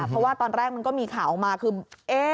เพราะว่าตอนแรกมันก็มีข่าวออกมาคือ